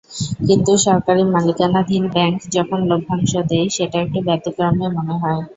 কিন্তু সরকারি মালিকানাধীন ব্যাংক যখন লভ্যাংশ দেয়, সেটা একটু ব্যতিক্রমই মনে হয়।